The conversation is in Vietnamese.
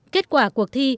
kết quả cuộc thi